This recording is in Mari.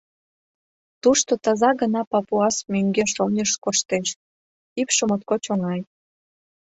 Тушто таза гына папуас мӧҥгеш-оньыш коштеш, ӱпшӧ моткоч оҥай.